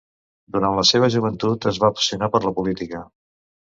Durant la seva joventut, es va apassionar per la política.